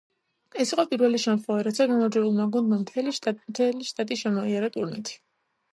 ეს იყო პირველი შემთხვევა, როცა გამარჯვებულმა გუნდმა მთელი შტატში შემოიარა ტურნეთი.